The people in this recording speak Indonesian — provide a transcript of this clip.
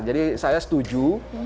jadi saya setuju